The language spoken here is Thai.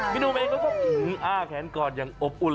พี่หนุ่มเองก็ช่ออะแขนกอดอย่างอบอุ่นเลยจ้า